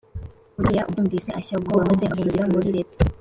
Uriya abyumvise ashya ubwoba maze ahungira muri leta